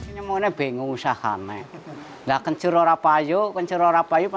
cicilannya akan sih pak